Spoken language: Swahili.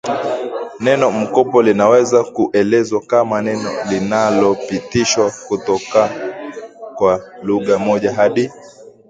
Neno mkopo linaweza kuelezwa kama neno linalopitishwa kutoka kwa lugha moja hadi